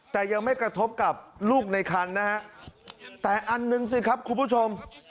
แต่ยังไม่กระทบกับลูกในคันนะฮะแต่อันหนึ่งสิครับคุณผู้ชม